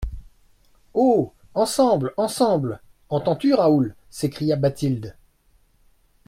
Oh ! ensemble, ensemble ! entends-tu Raoul ? s'écria Bathilde.